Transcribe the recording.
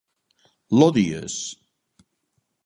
L'odies?